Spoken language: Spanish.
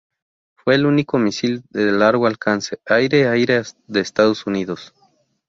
Fue el único misil de largo alcance aire-aire de Estados Unidos.